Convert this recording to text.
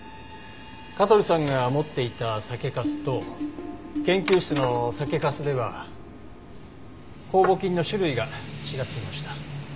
香取さんが持っていた酒粕と研究室の酒粕では酵母菌の種類が違っていました。